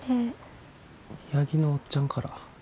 八木のおっちゃんから。